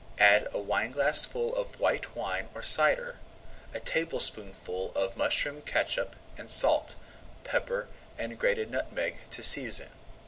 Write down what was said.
Add a wineglassful of white wine or cider, a tablespoonful of mushroom catsup, and salt, pepper, and grated nutmeg to season.